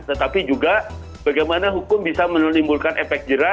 tetapi juga bagaimana hukum bisa menimbulkan efek jerah